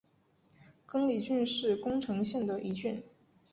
亘理郡是宫城县的一郡。